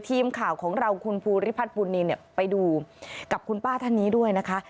ทีมข่าวของเราคุณภูริพัฒน์บุญนินเนี่ยไปดูกับคุณป้าท่านนี้ด้วยนะคะ